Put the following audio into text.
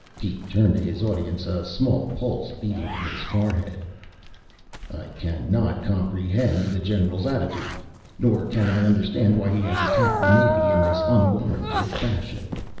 He turned to his audience, a small pulse beating in his forehead. "I cannot comprehend the general's attitude, nor can I understand why he has attacked the Navy in this unwarranted fashion.